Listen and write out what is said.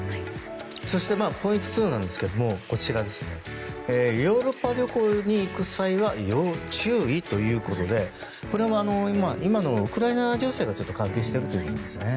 そして、ポイント２はヨーロッパ旅行に行く際は要注意ということでこれも、今のウクライナ情勢が関係しているということですね。